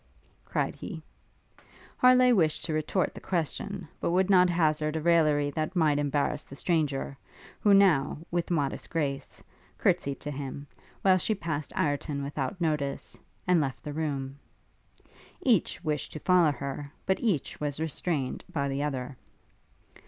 cried he. Harleigh wished to retort the question; but would not hazard a raillery that might embarrass the stranger, who now, with modest grace, courtsied to him; while she passed Ireton without notice, and left the room. Each wished to follow her, but each was restrained by the other.